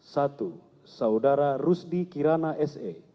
satu saudara rusdi kirana se